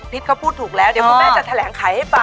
เขาพูดถูกแล้วเดี๋ยวคุณแม่จะแถลงไขให้ฟัง